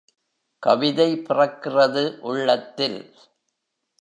கவிதை பிறக்கிறது உள்ளத்தில்.